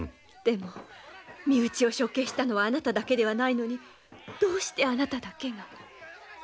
でも身内を処刑したのはあなただけではないのにどうしてあなただけが？